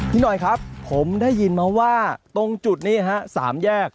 พี่หน่อยครับผมได้ยินมาว่าตรงจุดนี้ฮะ๓แยก